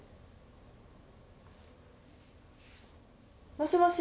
もしもし？